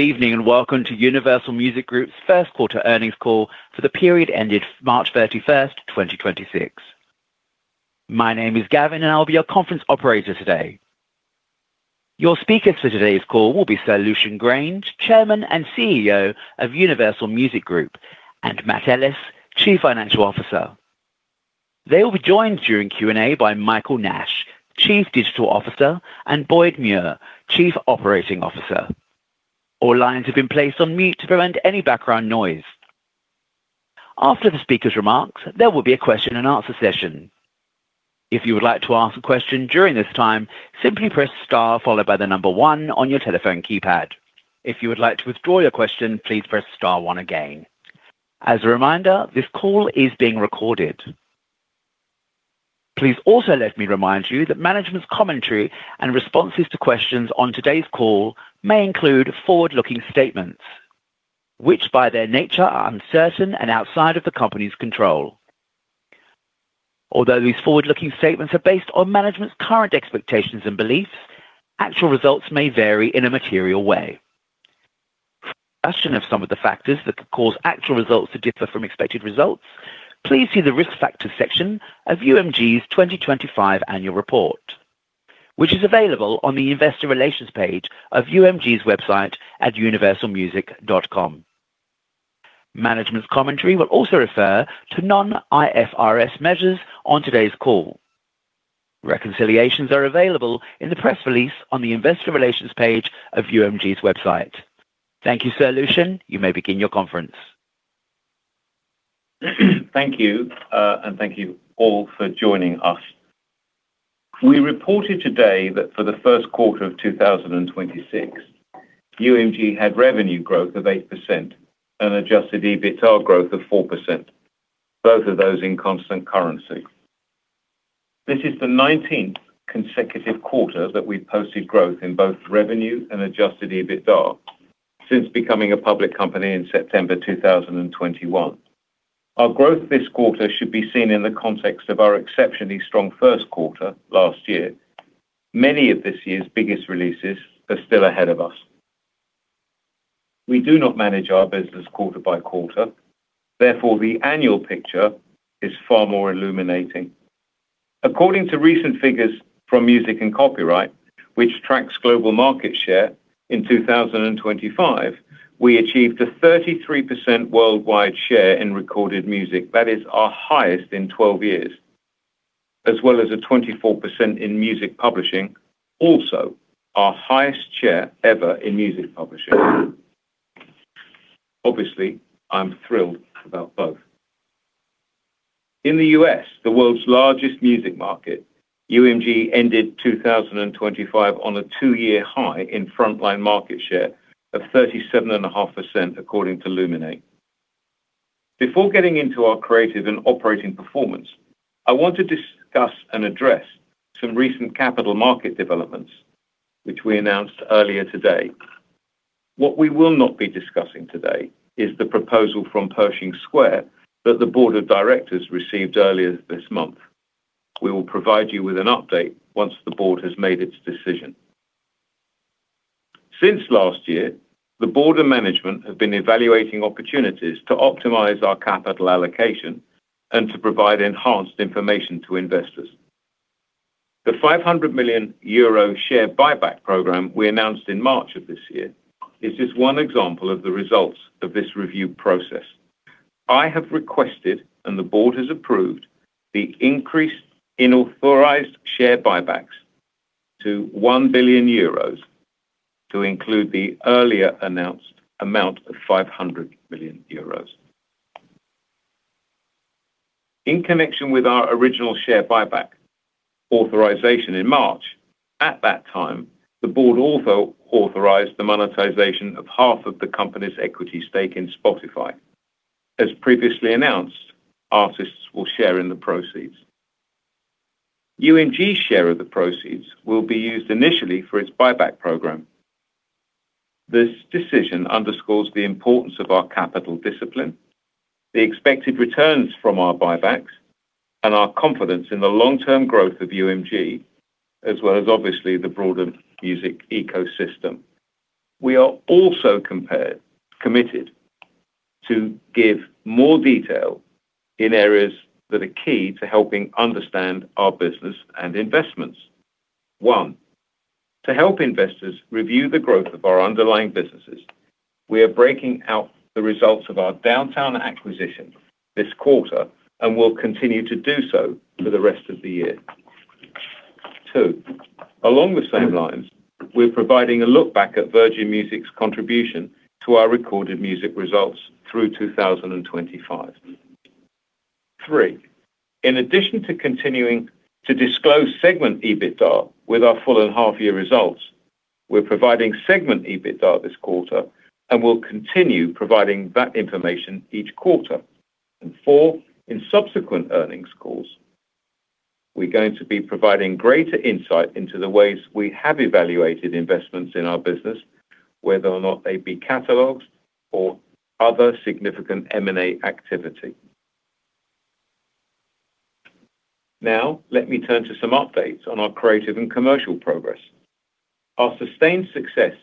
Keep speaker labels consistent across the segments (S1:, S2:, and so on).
S1: Good evening, welcome to Universal Music Group's first quarter earnings call for the period ended March 31st, 2026. My name is Gavin, I'll be your conference operator today. Your speakers for today's call will be Sir Lucian Grainge, Chairman and CEO of Universal Music Group, and Matt Ellis, Chief Financial Officer. They will be joined during Q&A by Michael Nash, Chief Digital Officer, and Boyd Muir, Chief Operating Officer. All lines have been placed on mute to prevent any background noise. After the speakers' remarks, there will be a question and answer session. If you would like to ask a question during this time, simply press star followed by one on your telephone keypad. If you would like to withdraw your question, please press star one again. As a reminder, this call is being recorded. Please also let me remind you that management's commentary and responses to questions on today's call may include forward-looking statements, which by their nature are uncertain and outside of the company's control. Although these forward-looking statements are based on management's current expectations and beliefs, actual results may vary in a material way. For a discussion of some of the factors that could cause actual results to differ from expected results, please see the Risk Factors section of UMG's 2025 Annual Report, which is available on the Investor Relations page of UMG's website at universalmusic.com. Management's commentary will also refer to non-IFRS measures on today's call. Reconciliations are available in the press release on the Investor Relations page of UMG's website. Thank you, Sir Lucian. You may begin your conference.
S2: Thank you. Thank you all for joining us. We reported today that for the first quarter of 2026, UMG had revenue growth of 8% and adjusted EBITDA growth of 4%, both of those in constant currency. This is the 19th consecutive quarter that we've posted growth in both revenue and adjusted EBITDA since becoming a public company in September 2021. Our growth this quarter should be seen in the context of our exceptionally strong first quarter last year. Many of this year's biggest releases are still ahead of us. We do not manage our business quarter-by-quarter. Therefore, the annual picture is far more illuminating. According to recent figures from Music and Copyright, which tracks global market share, in 2025, we achieved a 33% worldwide share in recorded music. That is our highest in 12 years, as well as a 24% in Music Publishing, also our highest share ever in Music Publishing. Obviously, I'm thrilled about both. In the U.S., the world's largest music market, UMG ended 2025 on a two-year high in frontline market share of 37.5%, according to Luminate. Before getting into our creative and operating performance, I want to discuss and address some recent capital market developments which we announced earlier today. What we will not be discussing today is the proposal from Pershing Square that the Board of Directors received earlier this month. We will provide you with an update once the Board has made its decision. Since last year, the Board and Management have been evaluating opportunities to optimize our capital allocation and to provide enhanced information to investors. The 500 million euro share buyback program we announced in March of this year is just one example of the results of this review process. I have requested, and the Board has approved, the increase in authorized share buybacks to 1 billion euros to include the earlier announced amount of 500 million euros. In connection with our original share buyback authorization in March, at that time, the Board also authorized the monetization of half of the company's equity stake in Spotify. As previously announced, artists will share in the proceeds. UMG's share of the proceeds will be used initially for its buyback program. This decision underscores the importance of our capital discipline, the expected returns from our buybacks, and our confidence in the long-term growth of UMG, as well as obviously the broader music ecosystem. We are also committed to give more detail in areas that are key to helping understand our business and investments. One, to help investors review the growth of our underlying businesses, we are breaking out the results of our Downtown acquisition this quarter and will continue to do so for the rest of the year. Two, along the same lines, we're providing a look back at Virgin Music's contribution to our recorded music results through 2025. Three, in addition to continuing to disclose segment EBITDA with our full and half-year results, we're providing segment EBITDA this quarter and will continue providing that information each quarter. Four, in subsequent earnings calls, we're going to be providing greater insight into the ways we have evaluated investments in our business, whether or not they be catalogs or other significant M&A activity. Let me turn to some updates on our creative and commercial progress. Our sustained success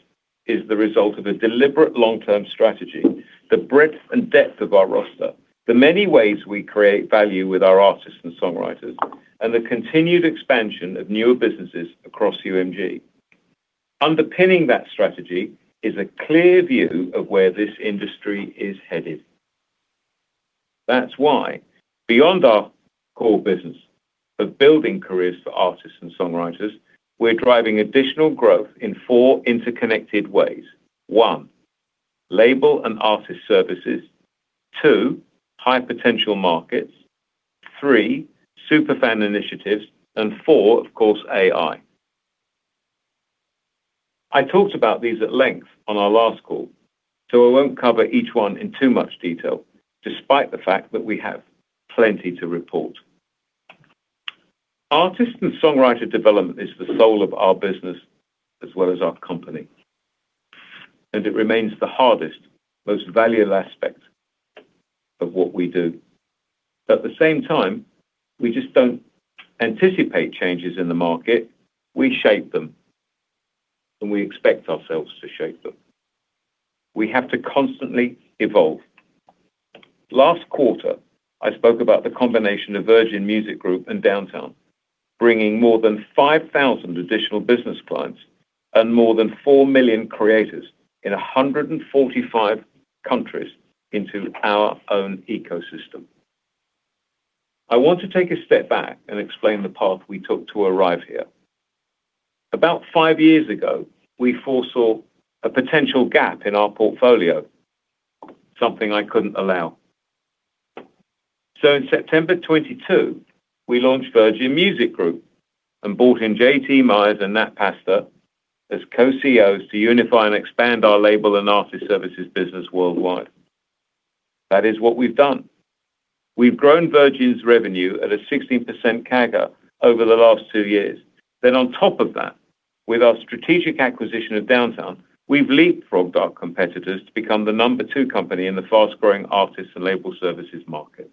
S2: is the result of a deliberate long-term strategy, the breadth and depth of our roster, the many ways we create value with our artists and songwriters, and the continued expansion of newer businesses across UMG. Underpinning that strategy is a clear view of where this industry is headed. That's why beyond our core business of building careers for artists and songwriters, we're driving additional growth in four interconnected ways. One, label and artist services. Two, high-potential markets. Three, super fan initiatives. Four, of course, AI. I talked about these at length on our last call, I won't cover each one in too much detail, despite the fact that we have plenty to report. Artist and songwriter development is the soul of our business as well as our company, and it remains the hardest, most valuable aspect of what we do. At the same time, we just don't anticipate changes in the market, we shape them, and we expect ourselves to shape them. We have to constantly evolve. Last quarter, I spoke about the combination of Virgin Music Group and Downtown, bringing more than 5,000 additional business clients and more than 4 million creators in 145 countries into our own ecosystem. I want to take a step back and explain the path we took to arrive here. About five years ago, we foresaw a potential gap in our portfolio, something I couldn't allow. In September 2022, we launched Virgin Music Group and brought in JT Myers and Nat Pastor as co-CEOs to unify and expand our label and artist services business worldwide. That is what we've done. We've grown Virgin's revenue at a 16% CAGR over the last two years. On top of that, with our strategic acquisition of Downtown, we've leapfrogged our competitors to become the number two company in the fast-growing artists and label services market.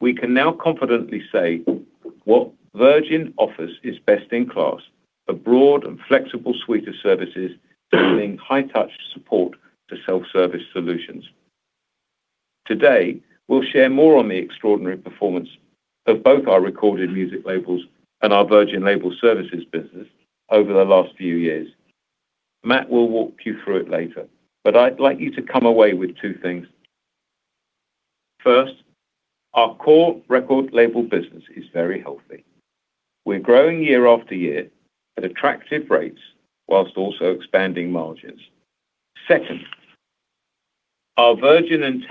S2: We can now confidently say what Virgin offers is best in class, a broad and flexible suite of services delivering high-touch support to self-service solutions. Today, we'll share more on the extraordinary performance of both our recorded music labels and our Virgin Label Services business over the last few years. Matt will walk you through it later. I'd like you to come away with two things. First, our core record label business is very healthy. We're growing year after year at attractive rates while also expanding margins. Second, our Virgin and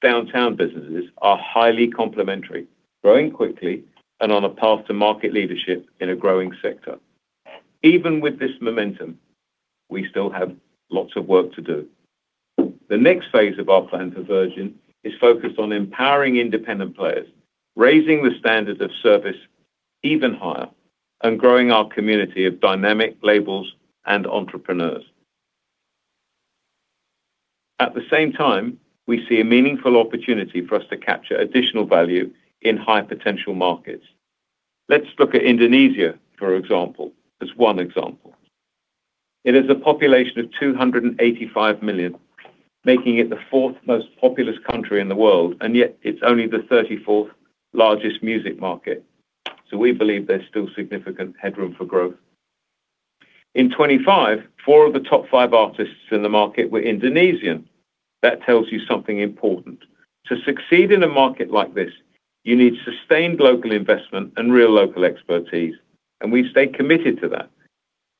S2: Downtown businesses are highly complementary, growing quickly and on a path to market leadership in a growing sector. Even with this momentum, we still have lots of work to do. The next phase of our plan for Virgin is focused on empowering independent players, raising the standards of service even higher, and growing our community of dynamic labels and entrepreneurs. At the same time, we see a meaningful opportunity for us to capture additional value in high-potential markets. Let's look at Indonesia, for example, as one example. It has a population of 285 million, making it the fourth most populous country in the world. Yet it's only the 34th largest music market. We believe there's still significant headroom for growth. In 2025, four of the top five artists in the market were Indonesian. That tells you something important. To succeed in a market like this, you need sustained local investment and real local expertise. We've stayed committed to that.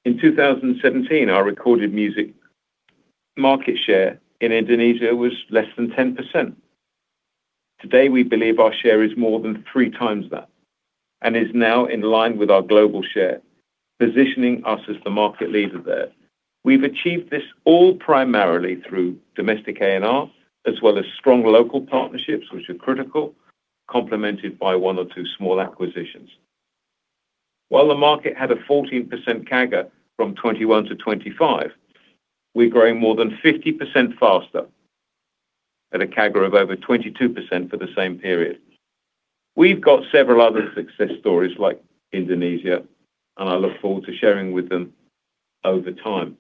S2: In 2017, our recorded music market share in Indonesia was less than 10%. Today, we believe our share is more than 3x that and is now in line with our global share, positioning us as the market leader there. We've achieved this all primarily through domestic A&R, as well as strong local partnerships, which are critical, complemented by one or two small acquisitions. While the market had a 14% CAGR from 2021 to 2025, we're growing more than 50% faster at a CAGR of over 22% for the same period. We've got several other success stories like Indonesia, and I look forward to sharing with them over time.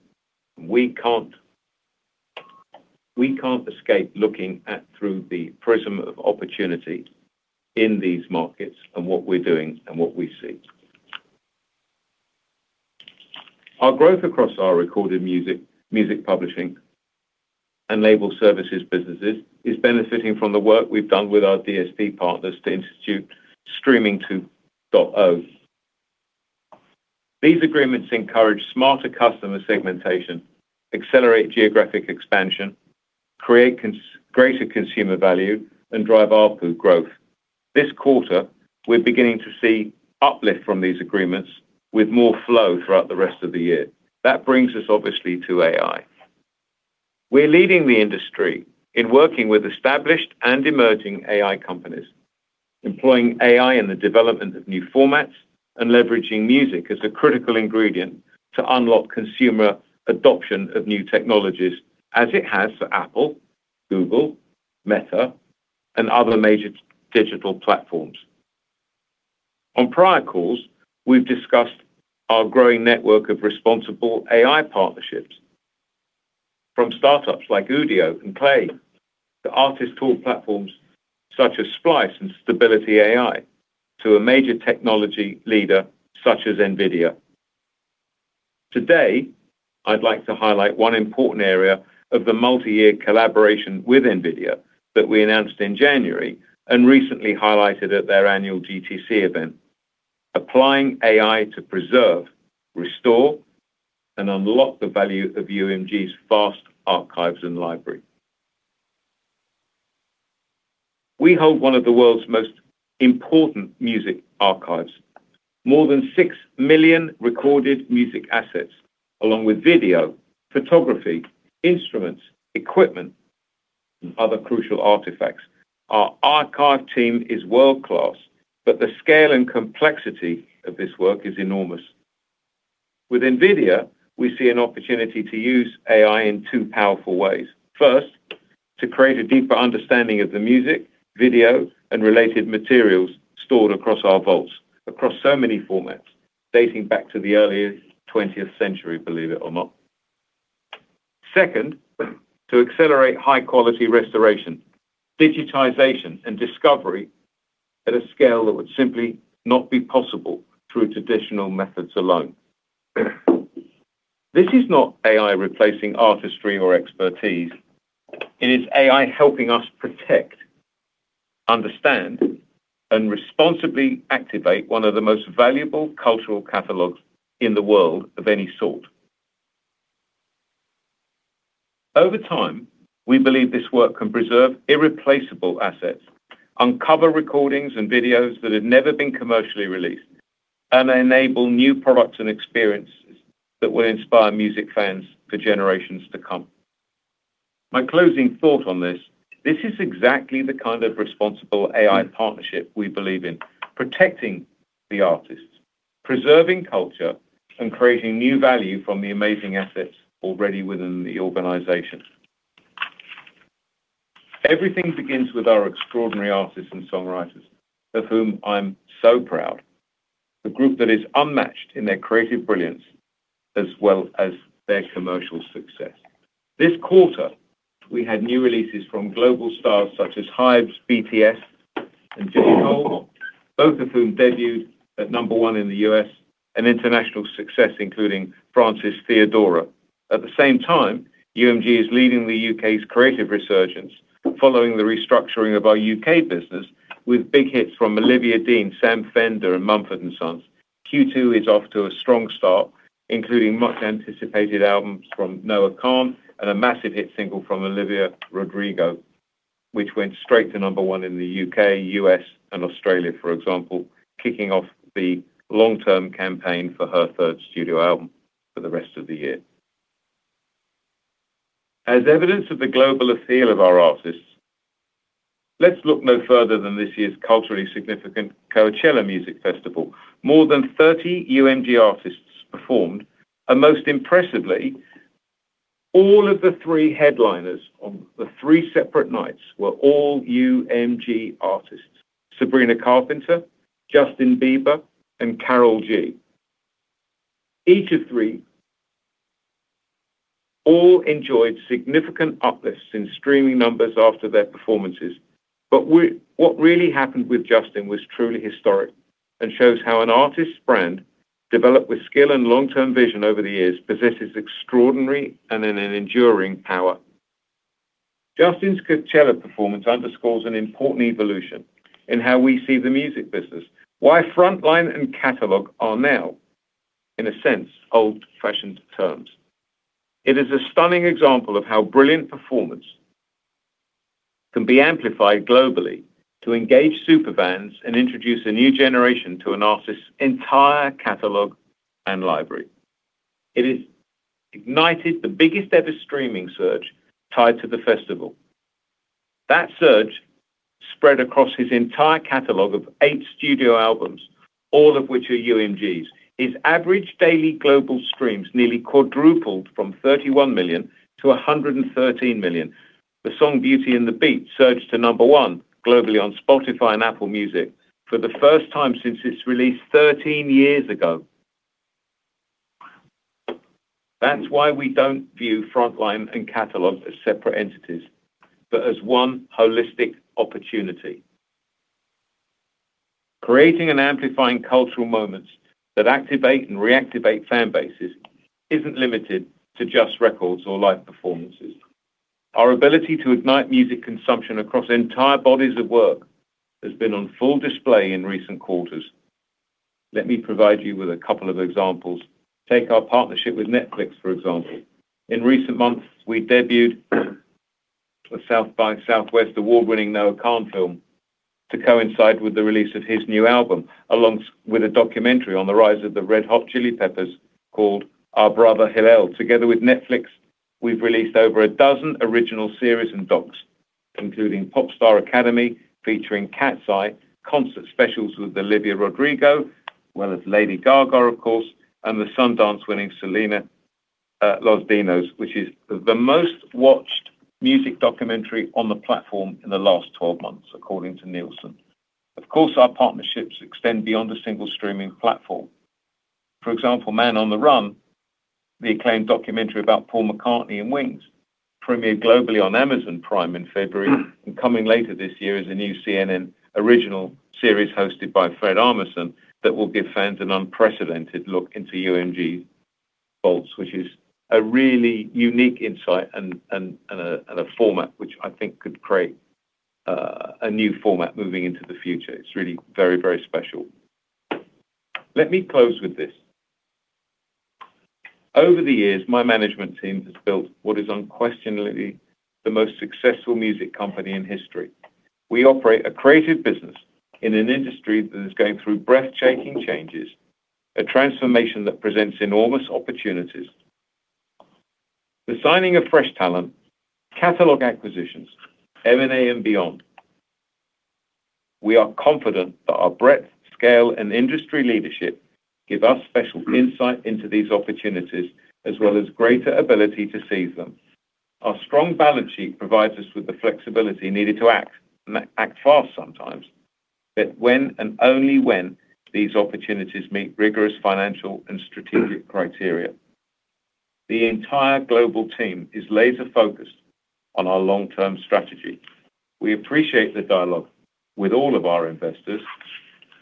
S2: We can't escape looking through the prism of opportunity in these markets and what we're doing and what we see. Our growth across our recorded music, Music Publishing, and label services businesses is benefiting from the work we've done with our DSP partners to institute Streaming 2.0. These agreements encourage smarter customer segmentation, accelerate geographic expansion, create greater consumer value, and drive output growth. This quarter, we're beginning to see uplift from these agreements with more flow throughout the rest of the year. That brings us obviously to AI. We're leading the industry in working with established and emerging AI companies, employing AI in the development of new formats and leveraging music as the critical ingredient to unlock consumer adoption of new technologies as it has for Apple, Google, Meta, and other major digital platforms. On prior calls, we've discussed our growing network of responsible AI partnerships from startups like Udio and KLAY to artist tool platforms such as Splice and Stability AI to a major technology leader such as NVIDIA. Today, I'd like to highlight one important area of the multi-year collaboration with NVIDIA that we announced in January and recently highlighted at their Annual GTC event. Applying AI to preserve, restore, and unlock the value of UMG's vast archives and library. We hold one of the world's most important music archives. More than 6 million recorded music assets, along with video, photography, instruments, equipment, and other crucial artifacts. Our archive team is world-class, but the scale and complexity of this work is enormous. With NVIDIA, we see an opportunity to use AI in two powerful ways. First, to create a deeper understanding of the music, video, and related materials stored across our vaults, across so many formats, dating back to the early twentieth century, believe it or not. Second, to accelerate high-quality restoration, digitization, and discovery at a scale that would simply not be possible through traditional methods alone. This is not AI replacing artistry or expertise. It is AI helping us protect, understand, and responsibly activate one of the most valuable cultural catalogs in the world of any sort. Over time, we believe this work can preserve irreplaceable assets, uncover recordings and videos that have never been commercially released, and enable new products and experiences that will inspire music fans for generations to come. My closing thought on this is exactly the kind of responsible AI partnership we believe in, protecting the artists, preserving culture, and creating new value from the amazing assets already within the organization. Everything begins with our extraordinary artists and songwriters, of whom I'm so proud. A group that is unmatched in their creative brilliance, as well as their commercial success. This quarter, we had new releases from global stars such as HYBE's, BTS, and J. Cole, both of whom debuted at number one in the U.S., and international success, including France's Theodora. At the same time, UMG is leading the U.K.'s creative resurgence following the restructuring of our U.K. business with big hits from Olivia Dean, Sam Fender, and Mumford & Sons. Q2 is off to a strong start, including much-anticipated albums from Noah Kahan and a massive hit single from Olivia Rodrigo, which went straight to number one in the U.K., U.S., and Australia, for example, kicking off the long-term campaign for her third studio album for the rest of the year. As evidence of the global appeal of our artists, let's look no further than this year's culturally significant Coachella Music Festival. More than 30 UMG artists performed, and most impressively, all of the three headliners on the three separate nights were all UMG artists, Sabrina Carpenter, Justin Bieber, and Karol G. Each of three all enjoyed significant uplifts in streaming numbers after their performances. What really happened with Justin was truly historic and shows how an artist's brand, developed with skill and long-term vision over the years, possesses extraordinary and an enduring power. Justin's Coachella performance underscores an important evolution in how we see the music business, why frontline and catalog are now, in a sense, old-fashioned terms. It is a stunning example of how brilliant performance can be amplified globally to engage super fans and introduce a new generation to an artist's entire catalog and library. It has ignited the biggest-ever streaming surge tied to the festival. That surge spread across his entire catalog of eight studio albums, all of which are UMG's. His average daily global streams nearly quadrupled from 31 million to 113 million. The song Beauty and a Beat surged to number one globally on Spotify and Apple Music for the first time since its release 13 years ago. That's why we don't view frontline and catalog as separate entities, but as one holistic opportunity. Creating and amplifying cultural moments that activate and reactivate fan bases isn't limited to just records or live performances. Our ability to ignite music consumption across entire bodies of work has been on full display in recent quarters. Let me provide you with a couple of examples. Take our partnership with Netflix, for example. In recent months, we debuted a South by Southwest award-winning Noah Kahan film to coincide with the release of his new album, along with a documentary on the rise of the Red Hot Chili Peppers called Our Brother, Hillel. Together with Netflix, we've released over a dozen original series and docs. Including Pop Star Academy featuring KATSEYE, concert specials with Olivia Rodrigo, as well as Lady Gaga, of course, and the Sundance-winning Selena y Los Dinos, which is the most-watched music documentary on the platform in the last 12 months, according to Nielsen. Of course, our partnerships extend beyond a single streaming platform. For example, Man on the Run, the acclaimed documentary about Paul McCartney and Wings, premiered globally on Amazon Prime in February, and coming later this year is a new CNN original series hosted by Fred Armisen that will give fans an unprecedented look into UMG vaults, which is a really unique insight and a format which I think could create a new format moving into the future. It's really very, very special. Let me close with this. Over the years, my management team has built what is unquestionably the most successful music company in history. We operate a creative business in an industry that is going through breathtaking changes, a transformation that presents enormous opportunities. The signing of fresh talent, catalog acquisitions, M&A, and beyond, we are confident that our breadth, scale, and industry leadership give us special insight into these opportunities as well as greater ability to seize them. Our strong balance sheet provides us with the flexibility needed to act, and act fast sometimes, but when and only when these opportunities meet rigorous financial and strategic criteria. The entire global team is laser-focused on our long-term strategy. We appreciate the dialogue with all of our investors.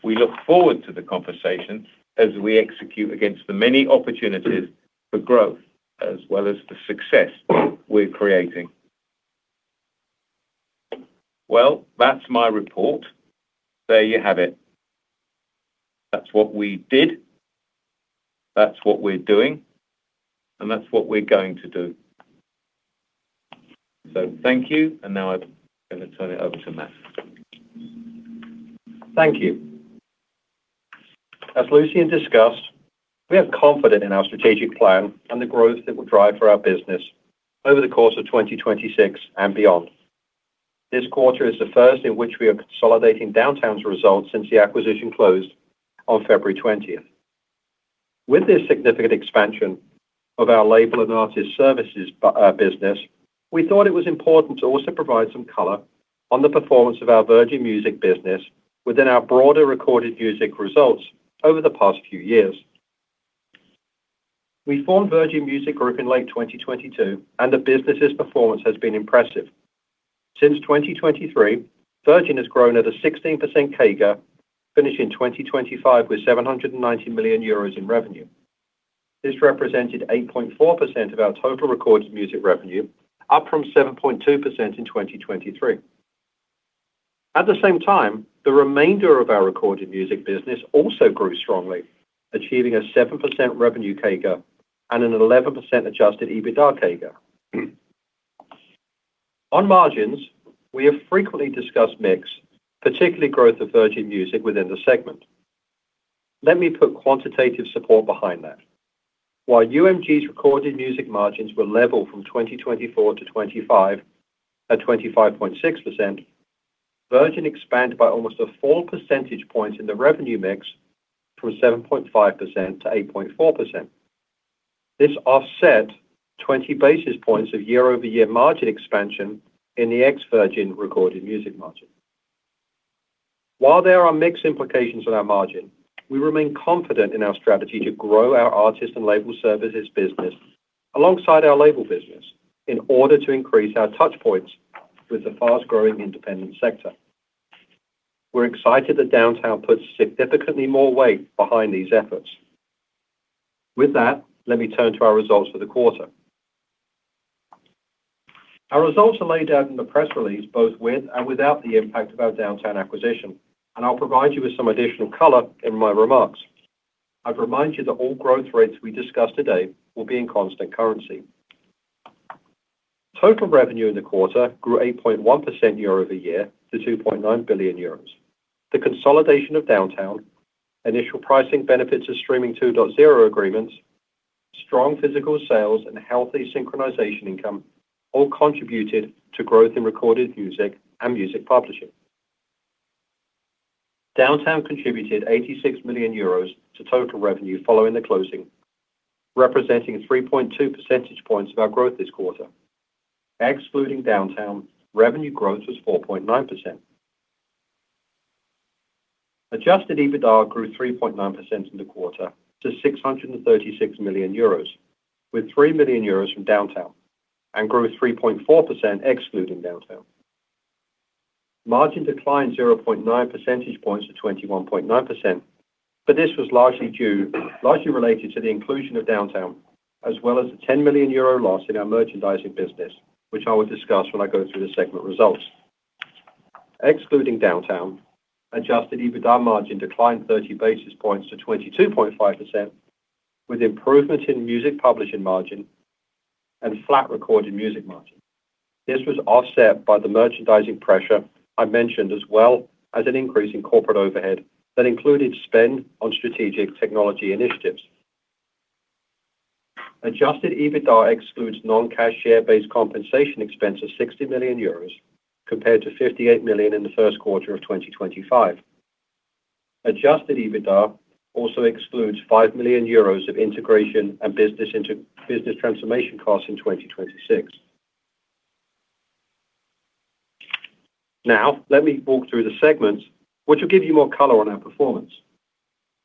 S2: We look forward to the conversation as we execute against the many opportunities for growth as well as the success we're creating. Well, that's my report. There you have it. That's what we did, that's what we're doing, and that's what we're going to do. Thank you, and now I'm going to turn it over to Matt.
S3: Thank you. As Lucian discussed, we are confident in our strategic plan and the growth that we'll drive for our business over the course of 2026 and beyond. This quarter is the first in which we are consolidating Downtown's results since the acquisition closed on February 20th. With this significant expansion of our label and artist services business, we thought it was important to also provide some color on the performance of our Virgin Music business within our broader recorded music results over the past few years. We formed Virgin Music Group in late 2022, and the business's performance has been impressive. Since 2023, Virgin has grown at a 16% CAGR, finishing 2025 with 790 million euros in revenue. This represented 8.4% of our total Recorded Music revenue, up from 7.2% in 2023. At the same time, the remainder of our Recorded Music business also grew strongly, achieving a 7% revenue CAGR and an 11% adjusted EBITDA CAGR. On margins, we have frequently discussed mix, particularly growth of Virgin Music within the segment. Let me put quantitative support behind that. While UMG's Recorded Music margins were level from 2024 to 2025 at 25.6%, Virgin expanded by almost 1 percentage point in the revenue mix from 7.5% to 8.4%. This offset 20 basis points of year-over-year margin expansion in the ex-Virgin Recorded Music margin. While there are mixed implications on our margin, we remain confident in our strategy to grow our artist and label services business alongside our label business in order to increase our touchpoints with the fast-growing independent sector. We're excited that Downtown puts significantly more weight behind these efforts. With that, let me turn to our results for the quarter. Our results are laid out in the press release, both with and without the impact of our Downtown acquisition, and I'll provide you with some additional color in my remarks. I'd remind you that all growth rates we discuss today will be in constant currency. Total revenue in the quarter grew 8.1% year-over-year to 2.9 billion euros. The consolidation of Downtown, initial pricing benefits of Streaming 2.0 agreements, strong physical sales, and healthy synchronization income all contributed to growth in recorded music and music publishing. Downtown contributed 86 million euros to total revenue following the closing, representing 3.2 percentage points of our growth this quarter. Excluding Downtown, revenue growth was 4.9%. Adjusted EBITDA grew 3.9% in the quarter to 636 million euros, with 3 million euros from Downtown, and grew 3.4% excluding Downtown. Margin declined 0.9 percentage points to 21.9%, but this was largely related to the inclusion of Downtown as well as a 10 million euro loss in our merchandising business, which I will discuss when I go through the segment results. Excluding Downtown, adjusted EBITDA margin declined 30 basis points to 22.5%, with improvement in Music Publishing margin and flat Recorded Music margin. This was offset by the merchandising pressure I mentioned, as well as an increase in corporate overhead that included spend on strategic technology initiatives. Adjusted EBITDA excludes non-cash share-based compensation expense of 60 million euros, compared to 58 million in the first quarter of 2025. Adjusted EBITDA also excludes 5 million euros of integration and business transformation costs in 2026. Let me walk through the segments, which will give you more color on our performance.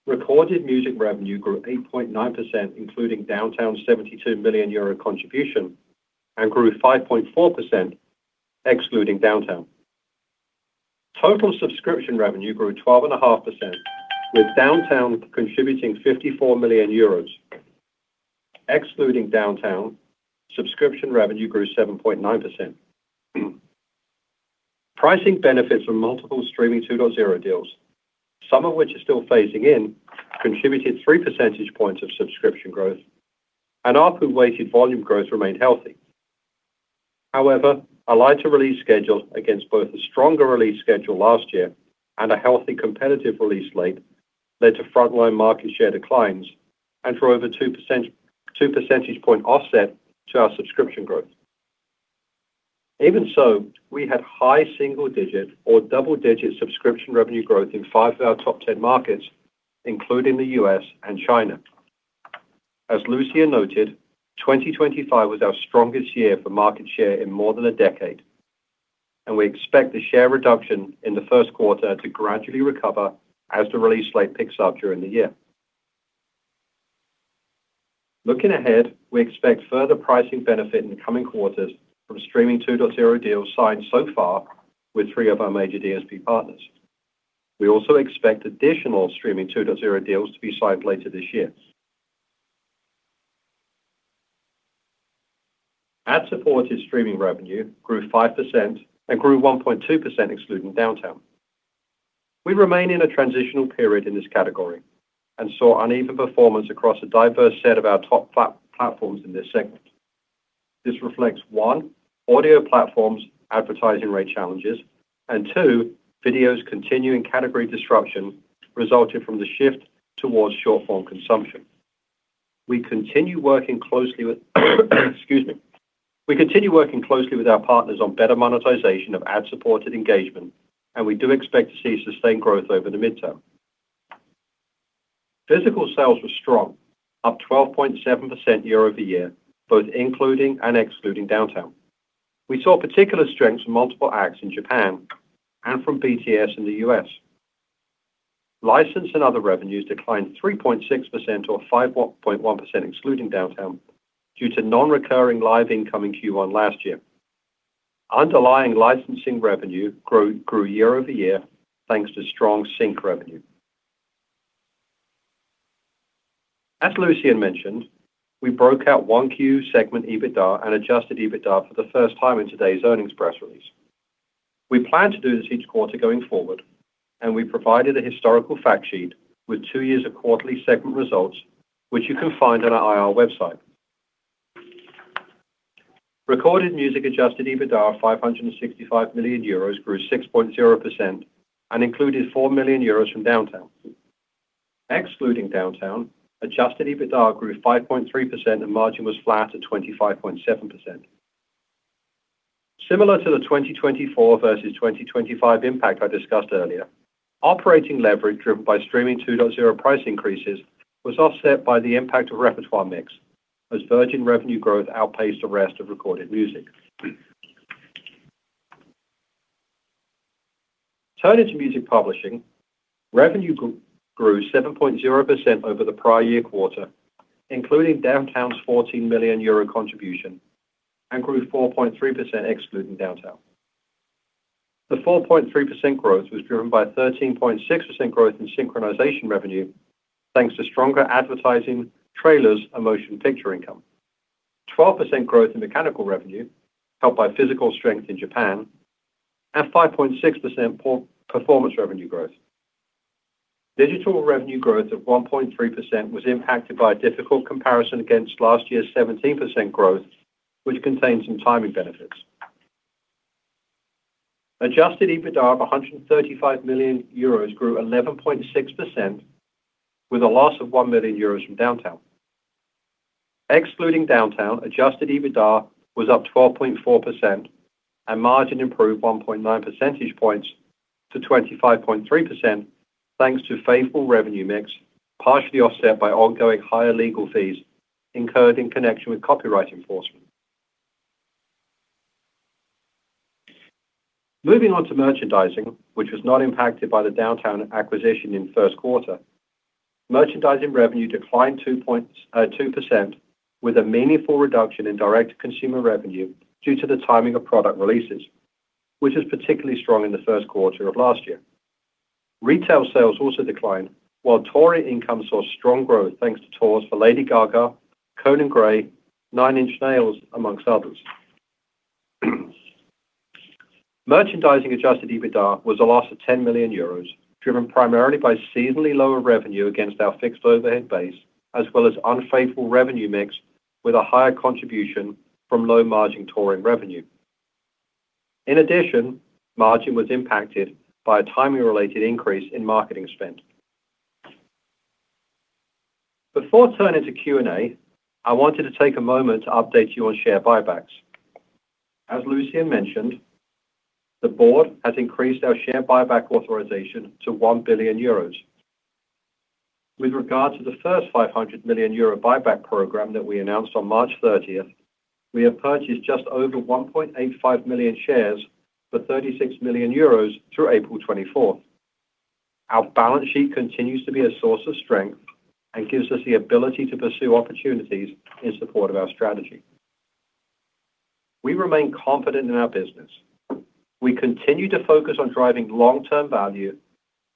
S3: Recorded music revenue grew 8.9%, including Downtown's 72 million euro contribution, and grew 5.4% excluding Downtown. Total subscription revenue grew 12.5%, with Downtown contributing 54 million euros. Excluding Downtown, subscription revenue grew 7.9%. Pricing benefits from multiple Streaming 2.0 deals, some of which are still phasing in, contributed 3 percentage points of subscription growth and ARPU weighted volume growth remained healthy. A lighter release schedule against both the stronger release schedule last year and a healthy competitive release slate led to frontline market share declines and for over 2 percentage point offset to our subscription growth. We had high single-digit or double-digit subscription revenue growth in five of our top 10 markets, including the U.S. and China. As Lucian noted, 2025 was our strongest year for market share in more than a decade, and we expect the share reduction in the first quarter to gradually recover as the release slate picks up during the year. Looking ahead, we expect further pricing benefit in the coming quarters from Streaming 2.0 deals signed so far with three of our major DSP partners. We also expect additional Streaming 2.0 deals to be signed later this year. Ad-supported streaming revenue grew 5% and grew 1.2% excluding Downtown. We remain in a transitional period in this category and saw uneven performance across a diverse set of our top platforms in this segment. This reflects, one, audio platforms' advertising rate challenges, and two, video's continuing category disruption resulting from the shift towards short-form consumption. Excuse me. We continue working closely with our partners on better monetization of ad-supported engagement, and we do expect to see sustained growth over the midterm. Physical sales were strong, up 12.7% year-over-year, both including and excluding Downtown. We saw particular strengths from multiple acts in Japan and from BTS in the U.S.. License and other revenues declined 3.6% or 5.1% excluding Downtown due to non-recurring live income in Q1 last year. Underlying licensing revenue grew year-over-year, thanks to strong sync revenue. As Lucian mentioned, we broke out 1Q segment EBITDA and adjusted EBITDA for the first time in today's earnings press release. We plan to do this each quarter going forward, we provided a historical fact sheet with two years of quarterly segment results, which you can find on our IR website. Recorded Music adjusted EBITDA of 565 million euros grew 6.0% and included 4 million euros from Downtown. Excluding Downtown, adjusted EBITDA grew 5.3% and margin was flat at 25.7%. Similar to the 2024 versus 2025 impact I discussed earlier, operating leverage driven by Streaming 2.0 price increases was offset by the impact of repertoire mix as Virgin revenue growth outpaced the rest of recorded music. Turning to Music Publishing, revenue grew 7.0% over the prior year quarter, including Downtown's 14 million euro contribution, and grew 4.3% excluding Downtown. The 4.3% growth was driven by 13.6% growth in synchronization revenue, thanks to stronger advertising, trailers, and motion picture income. 12% growth in mechanical revenue, helped by physical strength in Japan, and 5.6% performance revenue growth. Digital revenue growth of 1.3% was impacted by a difficult comparison against last year's 17% growth, which contained some timing benefits. Adjusted EBITDA of 135 million euros grew 11.6% with a loss of 1 million euros from Downtown. Excluding Downtown, Adjusted EBITDA was up 12.4% and margin improved 1.9 percentage points to 25.3%, thanks to favorable revenue mix, partially offset by ongoing higher legal fees incurred in connection with copyright enforcement. Moving on to Merchandising, which was not impacted by the Downtown acquisition in first quarter. Merchandising revenue declined 2% with a meaningful reduction in direct-to-consumer revenue due to the timing of product releases, which was particularly strong in the first quarter of last year. Retail sales also declined, while touring income saw strong growth, thanks to tours for Lady Gaga, Conan Gray, Nine Inch Nails, amongst others. Merchandising adjusted EBITDA was a loss of 10 million euros, driven primarily by seasonally lower revenue against our fixed overhead base, as well as unfavorable revenue mix with a higher contribution from low-margin touring revenue. In addition, margin was impacted by a timing-related increase in marketing spend. Before turning to Q&A, I wanted to take a moment to update you on share buybacks. As Lucian mentioned, the Board has increased our share buyback authorization to 1 billion euros. With regard to the first 500 million euro buyback program that we announced on March 30th, we have purchased just over 1.85 million shares for 36 million euros through April 24th. Our balance sheet continues to be a source of strength and gives us the ability to pursue opportunities in support of our strategy. We remain confident in our business. We continue to focus on driving long-term value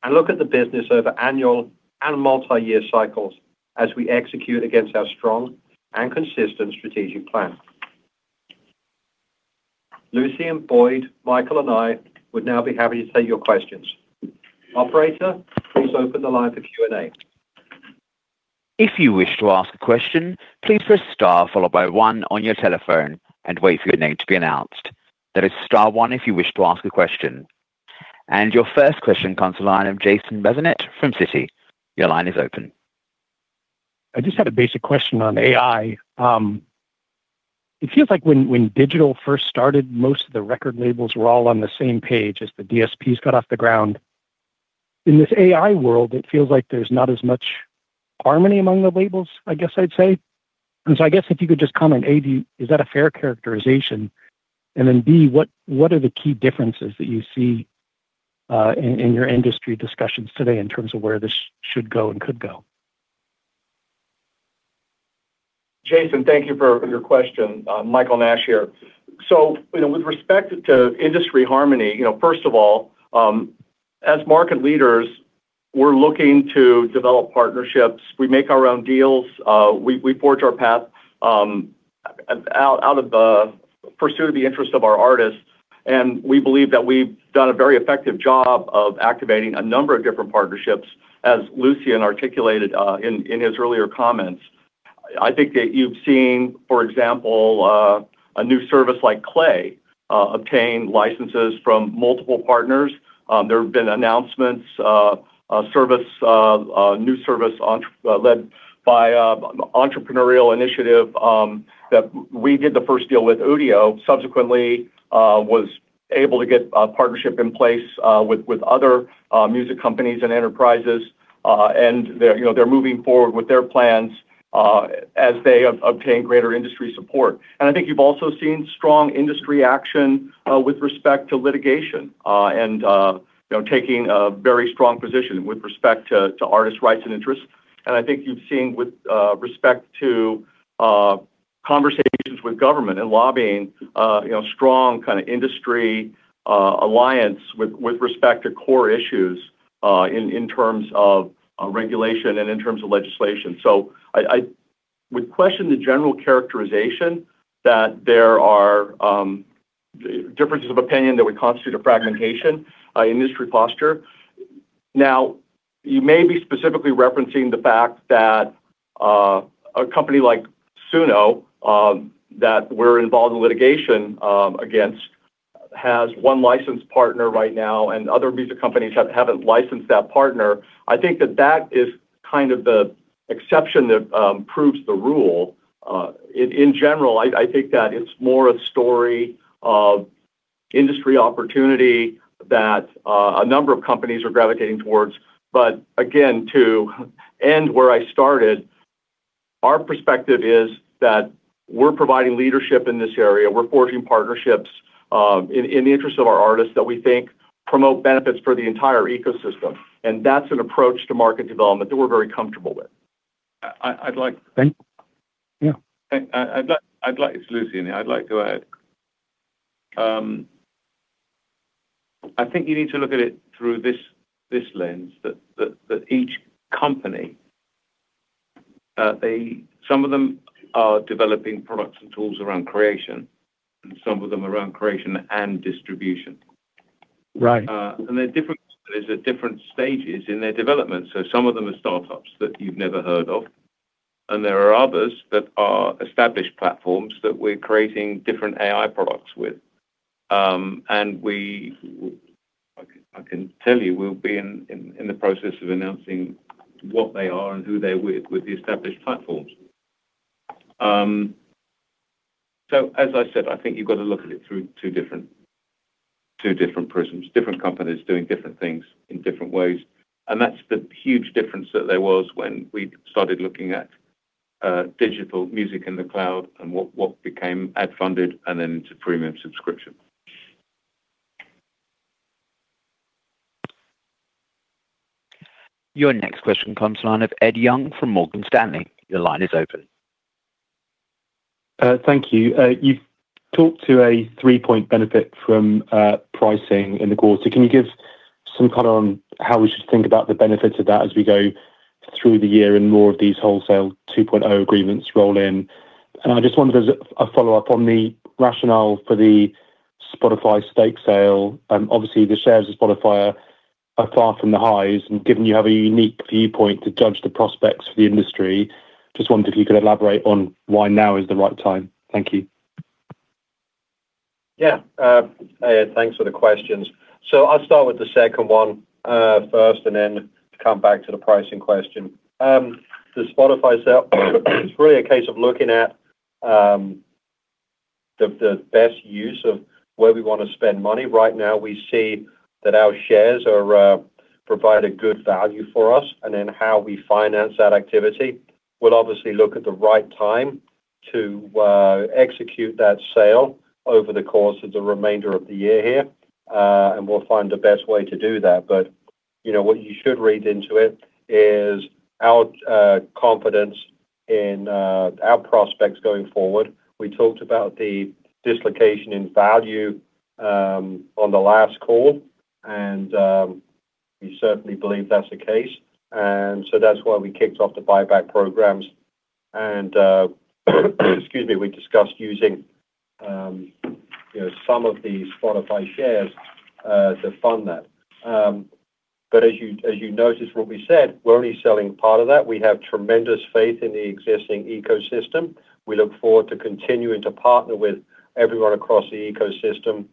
S3: and look at the business over annual and multi-year cycles as we execute against our strong and consistent strategic plan. Lucian, Boyd, Michael, and I would now be happy to take your questions. Operator, please open the line for Q&A.
S1: If you wish to ask a question please press star followed by one on your telephone and wait for your name to be announced. That is star one if you wish to ask a question. Your first question comes to the line of Jason Bazinet from Citi. Your line is open.
S4: I just had a basic question on AI. It feels like when digital first started, most of the record labels were all on the same page as the DSPs got off the ground. In this AI world, it feels like there's not as much harmony among the labels, I guess I'd say. I guess if you could just comment, A, is that a fair characterization? Then, B, what are the key differences that you see in your industry discussions today in terms of where this should go and could go?
S5: Jason, thank you for your question. Michael Nash here. You know, with respect to industry harmony, you know, first of all, as market leaders, we're looking to develop partnerships. We make our own deals. We forge our path out of pursuit of the interest of our artists, and we believe that we've done a very effective job of activating a number of different partnerships as Lucian articulated in his earlier comments. I think that you've seen, for example, a new service like KLAY obtain licenses from multiple partners. There have been announcements, a service, a new service led by entrepreneurial initiative that we did the first deal with Udio, subsequently was able to get a partnership in place with other music companies and enterprises. They're, you know, they're moving forward with their plans, as they have obtained greater industry support. I think you've also seen strong industry action, with respect to litigation, and, you know, taking a very strong position with respect to artists' rights and interests. I think you've seen with respect to conversations with government and lobbying, you know, strong kind of industry alliance with respect to core issues, in terms of regulation and in terms of legislation. I would question the general characterization that there are differences of opinion that would constitute a fragmentation industry posture. Now, you may be specifically referencing the fact that a company like Suno that we're involved in litigation against, has one licensed partner right now, and other music companies have, haven't licensed that partner. I think that that is kind of the exception that proves the rule. In general, I think that it's more a story of industry opportunity that a number of companies are gravitating towards. Again, to end where I started, our perspective is that we're providing leadership in this area. We're forging partnerships in the interest of our artists that we think promote benefits for the entire ecosystem, and that's an approach to market development that we're very comfortable with.
S2: I'd like-
S4: Thank you. Yeah.
S2: It's Lucian here. I'd like to add, I think you need to look at it through this lens that each company. Some of them are developing products and tools around creation, and some of them around creation and distribution.
S4: Right.
S2: They're different companies at different stages in their development. Some of them are startups that you've never heard of, and there are others that are established platforms that we're creating different AI products with. I can tell you, we'll be in the process of announcing what they are and who they're with the established platforms. As I said, I think you've got to look at it through two different, two different prisms. Different companies doing different things in different ways, that's the huge difference that there was when we started looking at digital music in the cloud and what became ad-funded and then into premium subscription.
S1: Your next question comes to a line of Ed Young from Morgan Stanley. Your line is open.
S6: Thank you. You've talked to a three-point benefit from pricing in the quarter. Can you give some color on how we should think about the benefits of that as we go through the year and more of these Streaming 2.0 agreements roll in? I just wondered as a follow-up on the rationale for the Spotify stake sale, and obviously the shares of Spotify are far from the highs and given you have a unique viewpoint to judge the prospects for the industry, just wondered if you could elaborate on why now is the right time. Thank you.
S3: Hey, thanks for the questions. I'll start with the second one first and then come back to the pricing question. The Spotify sale, it's really a case of looking at the best use of where we wanna spend money. Right now, we see that our shares provide a good value for us and then how we finance that activity. We'll obviously look at the right time to execute that sale over the course of the remainder of the year here. We'll find the best way to do that. You know, what you should read into it is our confidence in our prospects going forward. We talked about the dislocation in value on the last call, we certainly believe that's the case. That's why we kicked off the buyback programs. Excuse me, we discussed using, you know, some of these Spotify shares to fund that. As you, as you noticed what we said, we're only selling part of that. We have tremendous faith in the existing ecosystem. We look forward to continuing to partner with everyone across the ecosystem,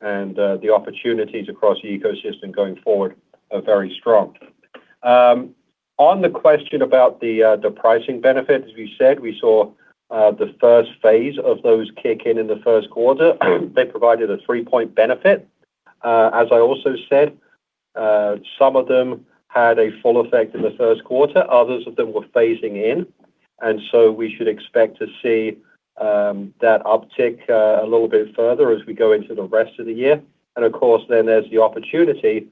S3: the opportunities across the ecosystem going forward are very strong. On the question about the pricing benefit, as we said, we saw the first phase of those kick in in the first quarter. They provided a three-point benefit. As I also said, some of them had a full effect in the first quarter, others of them were phasing in. We should expect to see that uptick a little bit further as we go into the rest of the year. Of course, then there's the opportunity,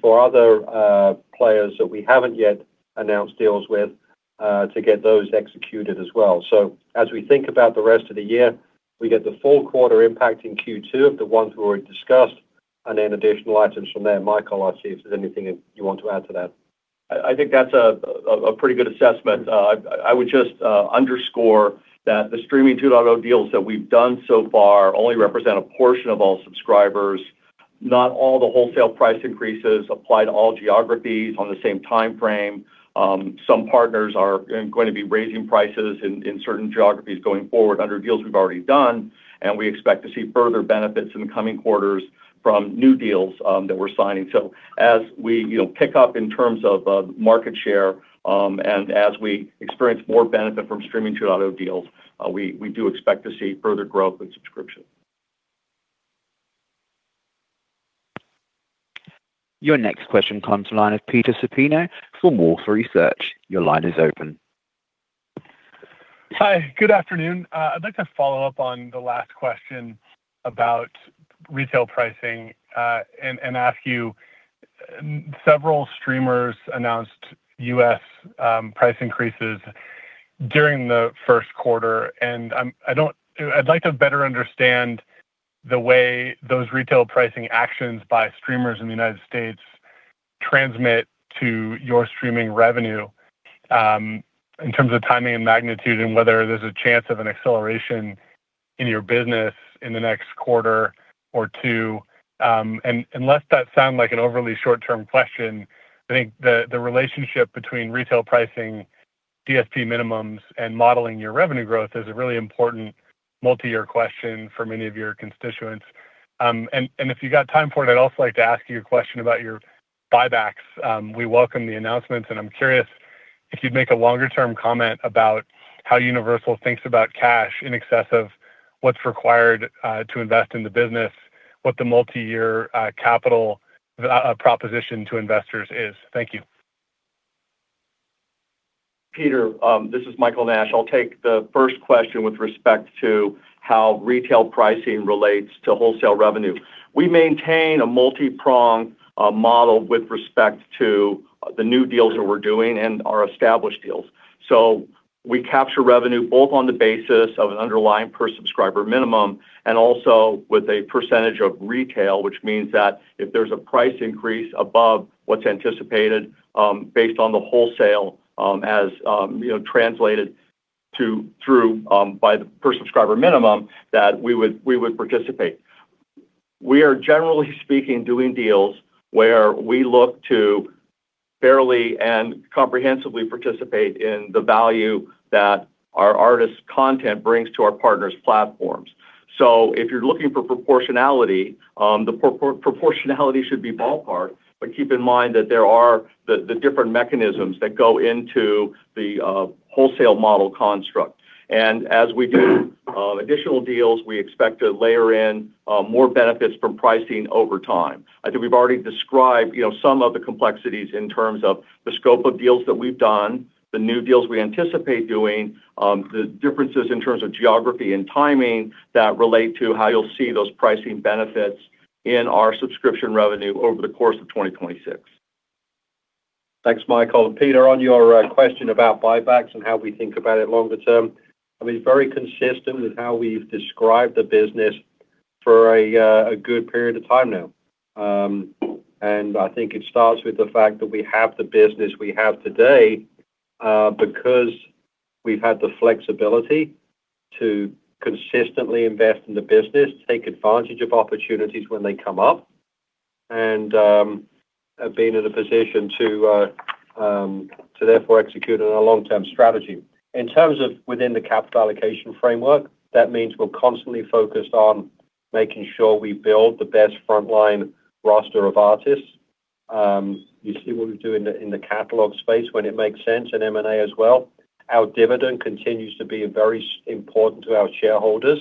S3: for other, players that we haven't yet announced deals with, to get those executed as well. As we think about the rest of the year, we get the full quarter impact in Q2 of the ones we already discussed and then additional items from there. Michael, I'll see if there's anything you want to add to that.
S5: I think that's a pretty good assessment. I would just underscore that the Streaming 2.0 deals that we've done so far only represent a portion of all subscribers. Not all the wholesale price increases apply to all geographies on the same timeframe. Some partners are going to be raising prices in certain geographies going forward under deals we've already done, and we expect to see further benefits in the coming quarters from new deals that we're signing. As we, you know, pick up in terms of market share, and as we experience more benefit from Streaming 2.0 deals, we do expect to see further growth in subscription.
S1: Your next question comes to line of Peter Supino from Wolfe Research. Your line is open.
S7: Hi, good afternoon. I'd like to follow up on the last question about retail pricing, and ask you, several streamers announced U.S. price increases during the first quarter, I'd like to better understand the way those retail pricing actions by streamers in the United States transmit to your streaming revenue, in terms of timing and magnitude and whether there's a chance of an acceleration in your business in the next quarter or two. Unless that sound like an overly short-term question, I think the relationship between retail pricing, DSP minimums, and modeling your revenue growth is a really important multi-year question for many of your constituents. If you got time for it, I'd also like to ask you a question about your buybacks. We welcome the announcements, and I'm curious if you'd make a longer-term comment about how Universal thinks about cash in excess of what's required to invest in the business, what the multi-year capital proposition to investors is. Thank you.
S5: Peter, this is Michael Nash. I'll take the first question with respect to how retail pricing relates to wholesale revenue. We maintain a multi-pronged model with respect to the new deals that we're doing and our established deals. We capture revenue both on the basis of an underlying per-subscriber minimum and also with a percentage of retail, which means that if there's a price increase above what's anticipated, based on the wholesale, as translated through by the per-subscriber minimum, that we would participate. We are, generally speaking, doing deals where we look to fairly and comprehensively participate in the value that our artists' content brings to our partners' platforms. If you're looking for proportionality, the proportionality should be ballpark, keep in mind that there are the different mechanisms that go into the wholesale model construct. As we do additional deals, we expect to layer in more benefits from pricing over time. I think we've already described, you know, some of the complexities in terms of the scope of deals that we've done, the new deals we anticipate doing, the differences in terms of geography and timing that relate to how you'll see those pricing benefits in our subscription revenue over the course of 2026.
S3: Thanks, Michael. Peter, on your question about buybacks and how we think about it longer term, I mean, very consistent with how we've described the business for a good period of time now. I think it starts with the fact that we have the business we have today, because we've had the flexibility to consistently invest in the business, take advantage of opportunities when they come up, and being in a position to therefore execute on a long-term strategy. In terms of within the capital allocation framework, that means we're constantly focused on making sure we build the best frontline roster of artists. You see what we do in the catalog space when it makes sense, and M&A as well. Our dividend continues to be very important to our shareholders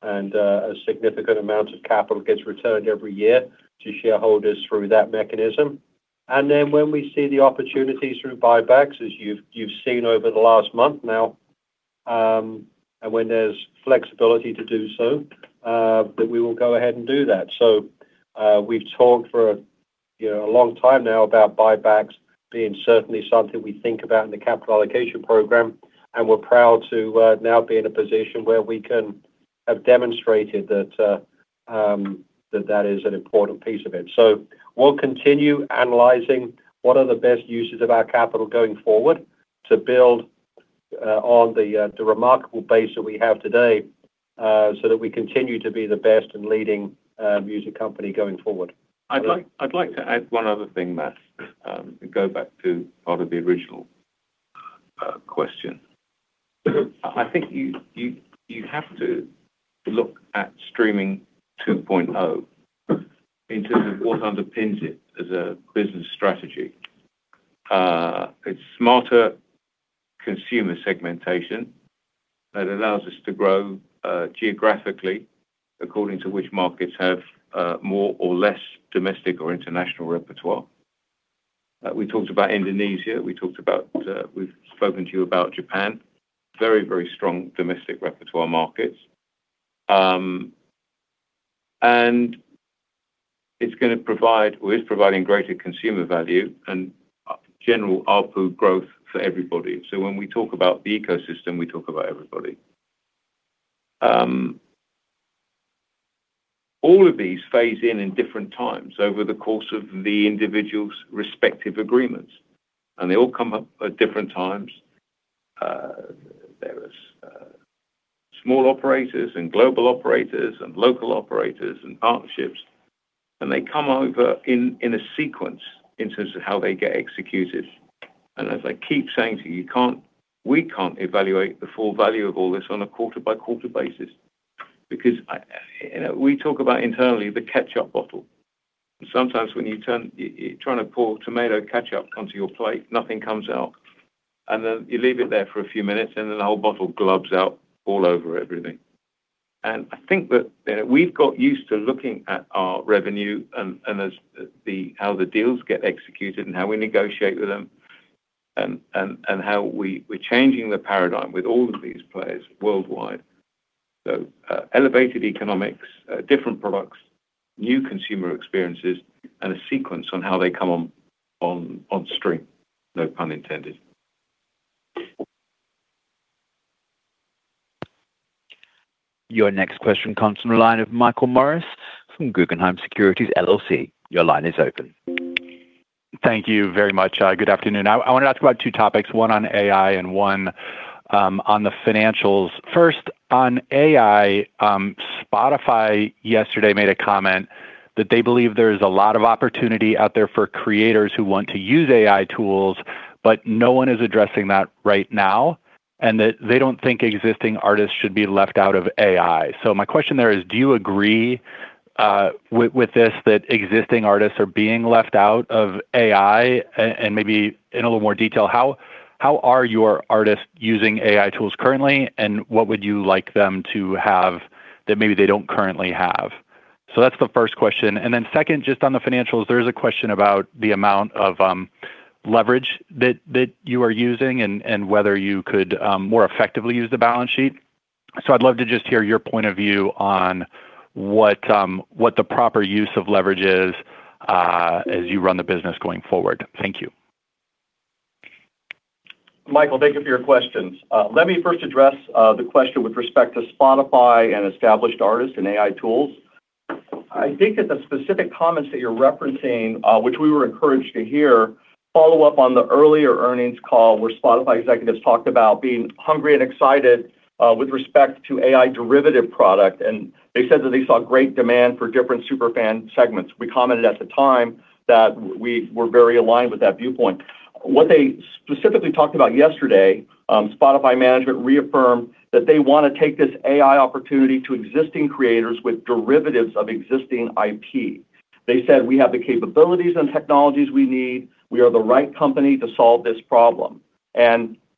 S3: and a significant amount of capital gets returned every year to shareholders through that mechanism. Then when we see the opportunities through buybacks, as you've seen over the last month now, and when there's flexibility to do so, then we will go ahead and do that. We've talked for, you know, a long time now about buybacks being certainly something we think about in the capital allocation program, and we're proud to now be in a position where we can have demonstrated that that is an important piece of it. We'll continue analyzing what are the best uses of our capital going forward to build on the remarkable base that we have today so that we continue to be the best and leading music company going forward.
S2: I'd like to add one other thing, Matt, to go back to part of the original question. I think you have to look at Streaming 2.0 in terms of what underpins it as a business strategy. It's smarter consumer segmentation that allows us to grow geographically according to which markets have more or less domestic or international repertoire. We talked about Indonesia, we talked about, we've spoken to you about Japan. Very strong domestic repertoire markets. It's gonna provide, or is providing greater consumer value and general ARPU growth for everybody. When we talk about the ecosystem, we talk about everybody. All of these phase in in different times over the course of the individual's respective agreements, and they all come up at different times. There is small operators and global operators and local operators and partnerships, and they come over in a sequence in terms of how they get executed. As I keep saying to you, we can't evaluate the full value of all this on a quarter-by-quarter basis because, you know, we talk about internally the ketchup bottle. Sometimes when you're trying to pour tomato ketchup onto your plate, nothing comes out. Then you leave it there for a few minutes, and then the whole bottle glubs out all over everything. I think that, you know, we've got used to looking at our revenue and how the deals get executed and how we negotiate with them and how we're changing the paradigm with all of these players worldwide. Elevated economics, different products, new consumer experiences, and a sequence on how they come on stream, no pun intended.
S1: Your next question comes from the line of Michael Morris from Guggenheim Securities, LLC. Your line is open.
S8: Thank you very much. Good afternoon. I wanna talk about two topics, one on AI and one on the financials. First, on AI, Spotify yesterday made a comment that they believe there is a lot of opportunity out there for creators who want to use AI tools, but no one is addressing that right now, and that they don't think existing artists should be left out of AI. My question there is, do you agree with this, that existing artists are being left out of AI? And maybe in a little more detail, how are your artists using AI tools currently, and what would you like them to have that maybe they don't currently have? That's the first question. Second, just on the financials, there is a question about the amount of leverage that you are using and whether you could more effectively use the balance sheet. I'd love to just hear your point of view on what the proper use of leverage is as you run the business going forward. Thank you.
S5: Michael, thank you for your questions. Let me first address the question with respect to Spotify and established artists and AI tools. I think that the specific comments that you're referencing, which we were encouraged to hear, follow up on the earlier earnings call where Spotify executives talked about being hungry and excited with respect to AI derivative product. They said that they saw great demand for different super fan segments. We commented at the time that we were very aligned with that viewpoint. What they specifically talked about yesterday, Spotify management reaffirmed that they wanna take this AI opportunity to existing creators with derivatives of existing IP. They said, We have the capabilities and technologies we need. We are the right company to solve this problem.